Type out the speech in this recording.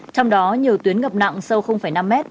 trong đó nhiều tuyến ngập nặng sâu năm m